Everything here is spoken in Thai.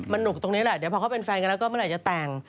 สนุกตรงนี้แหละเดี๋ยวพอเขาเป็นแฟนกันแล้วก็เมื่อไหร่จะแต่ง